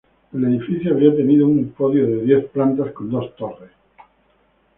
El edificio habría tenido un podio de diez plantas, con dos torres.